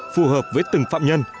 phù hợp với từng phạm nhân